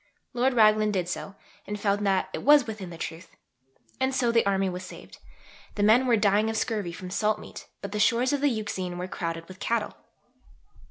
Lord Raglan did so, and found that it was within the truth. And so the Army was saved. The men were dying of scurvy from salt meat; but the shores of the Euxine were crowded with cattle.